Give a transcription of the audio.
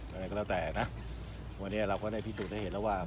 อะไรก็แล้วแต่นะวันนี้เราก็ได้พิสูจน์ให้เห็นแล้วว่า